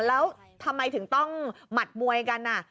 แล้วทำไมถึงต้องหมัดมวยกัน